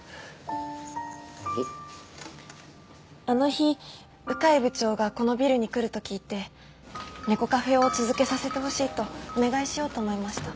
あの日鵜飼部長がこのビルに来ると聞いて猫カフェを続けさせてほしいとお願いしようと思いました。